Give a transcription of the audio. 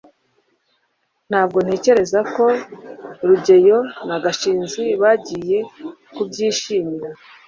ntabwo ntekereza ko rugeyo na gashinzi bagiye kubyishimira